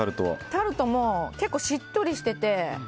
タルトも結構しっとりしてて。